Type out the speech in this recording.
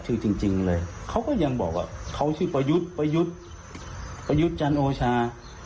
จริงเลยเขาก็ยังบอกว่าเขาชื่อประยุทธ์ประยุทธ์ประยุทธ์จันโอชา